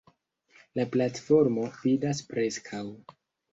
La platformo vidas preskaŭ.